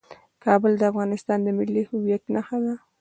کابل د افغانستان د ملي هویت نښه ده.